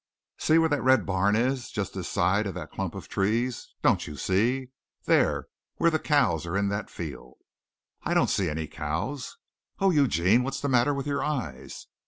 "See where that red barn is, just this side of that clump of trees? don't you see? there, where the cows are in that field." "I don't see any cows." "Oh, Eugene, what's the matter with your eyes?"